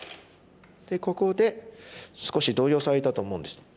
でここで少し動揺されたと思うんです。